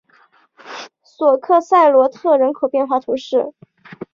索克塞罗特人口变化图示